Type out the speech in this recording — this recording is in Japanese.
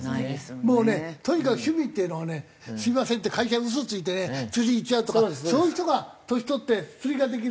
もうねとにかく趣味っていうのはね「すみません」って会社に嘘ついて釣り行っちゃうとかそういう人が年取って釣りができる。